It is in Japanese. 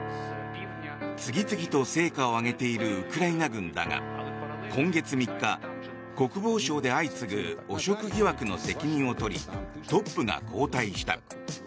次々と成果を上げているウクライナ軍だが今月３日、国防省で相次ぐ汚職疑惑の責任を取りトップが交代した。